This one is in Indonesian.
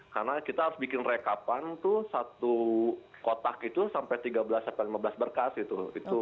karena kita harus bikin rekapan tuh satu kotak itu sampai tiga belas lima belas berkas gitu